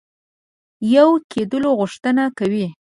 یو کېدلو غوښتنه کوي.